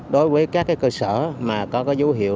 đối với các cơ sở mà có dấu hiệu